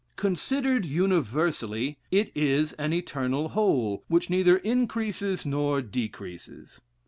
Considered universally, it is an eternal whole, which neither increases nor decreases.